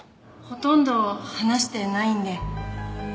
ほとんど話してないんで。